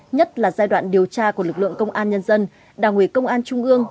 nhất là giai đoạn điều tra của lực lượng công an nhân dân đảng ủy công an trung ương